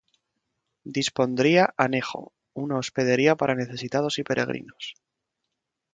Dispondría anejo, una hospedería para necesitados y peregrinos.